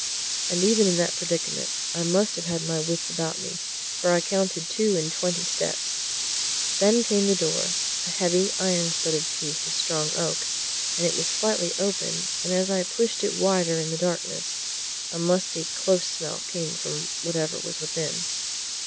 And even in that predicament I must have had my wits about me, for I counted two and twenty steps. Then came the door a heavy, iron studded piece of strong oak, and it was slightly open, and as I pushed it wider in the darkness, a musty, close smell came from whatever was within.